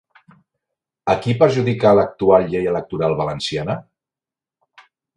A qui perjudica l'actual llei electoral valenciana?